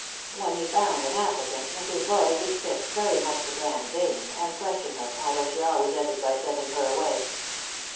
When he found an applicant Mrs. Boyd would sit, very much the grande dame, and question her, although she always ended by sending her away.